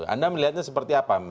anda melihatnya seperti apa